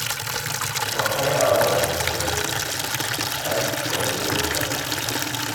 Ṛuḥ ay aɛṛab ar lexṛif, ad k-fkeɣ jajja!